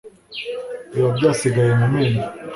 biba byasigaye mu menyo,